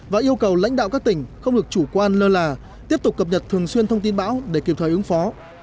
và yêu cầu lãnh đạo các tỉnh không được chủ quan lơ là tiếp tục cập nhật thường xuyên thông tin bão để kịp thời ứng phó